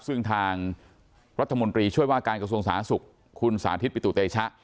ซึ่งทางรัฐมนตรีช่วยว่าการกระทรวงสาธารณสุขคุณสาธิตปิตุเตชะ